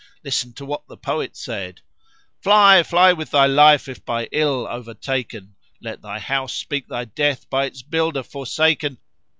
Listen to what the poet said, 'Fly, fly with thy life if by ill overtaken! Let thy house speak thy death by its builder forsaken!